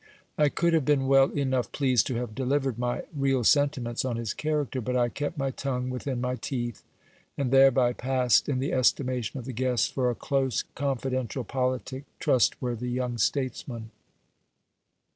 I could have been well enough pleased to have delivered my real sentiments on his character, but I kept my tongue within my teeth, and thereby passed in the estimation of the guests for a close, confidential, politic, trust worthy young statesman.